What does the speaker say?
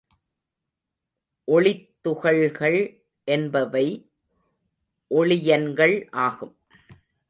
ஒளித்துகள்கள் என்பவை ஒளியன்கள் ஆகும்.